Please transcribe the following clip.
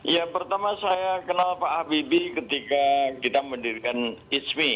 ya pertama saya kenal pak habibie ketika kita mendirikan ismi